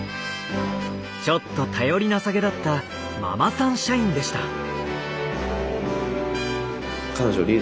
ちょっと頼りなさげだったママさん社員でした。